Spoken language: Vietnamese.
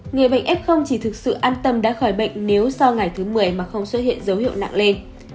người bệnh f chỉ thực sự an tâm đã khỏi bệnh nếu sau ngày thứ một mươi mà không xuất hiện dấu hiệu nặng nề